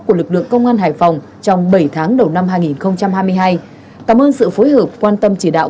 của lực lượng công an hải phòng trong bảy tháng đầu năm hai nghìn hai mươi hai cảm ơn sự phối hợp quan tâm chỉ đạo